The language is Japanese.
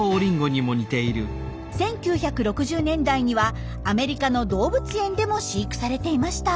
１９６０年代にはアメリカの動物園でも飼育されていました。